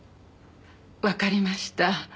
わかりました。